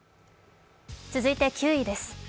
続いて９位です。